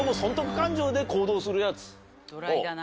ドライだな。